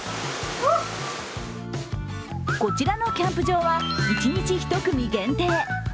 こちらのキャンプ場は一日１組限定。